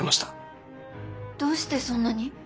どうしてそんなに？